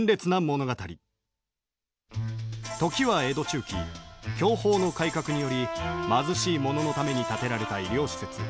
時は江戸中期享保の改革により貧しい者のために建てられた医療施設小石川養生所